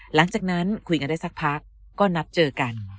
หลังจากนั้นคุยกันได้สักพักก็นัดเจอกัน